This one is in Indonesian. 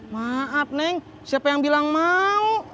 maaf neng siapa yang bilang mau